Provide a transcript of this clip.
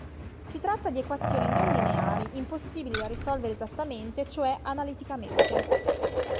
Si tratta di equazioni non lineari, impossibili da risolvere esattamente cioè analiticamente.